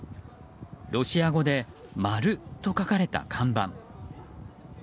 ロシア語で「マル」と書かれた看板。